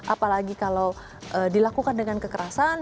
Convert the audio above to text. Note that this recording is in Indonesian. apalagi kalau dilakukan dengan kekerasan